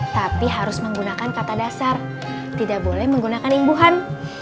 tapi harus menggunakan kata dasar tidak boleh menggunakan imbuhan